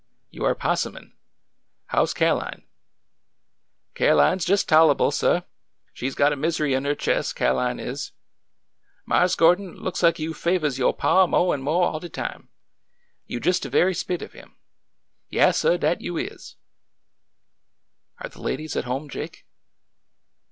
" You are pos sumin'. How 's Ca'line ?"'' Ca'line 's jes' tole'ble, suh. She 's got a mis'ry in her chis', Ca'line is. Marse Gordon, look like you favors yo' paw mo' an' mo' all de time. You jes' de ve'y spit of 'im. Yaas, suh, dat you is." "Are the ladies at home, Jake?"